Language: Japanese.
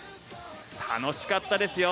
楽しかったですよ。